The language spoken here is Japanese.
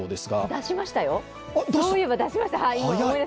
出しましたよ、そういえば出しました。